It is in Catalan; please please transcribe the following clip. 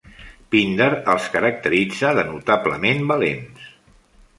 Pindar els caracteritza de notablement valents.